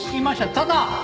ただ。